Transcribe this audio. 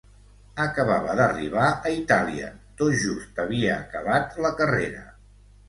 Acabava d’arribar a Itàlia, tot just havia acabat la carrera.